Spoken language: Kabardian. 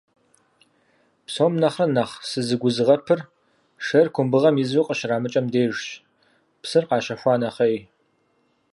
Псом нэхърэ нэхъ сызэгузыгъэпыр шейр кумбыгъэм изу къыщарамыкӏэм дежщ, псыр къащэхуа нэхъей.